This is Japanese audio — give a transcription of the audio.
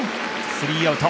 スリーアウト。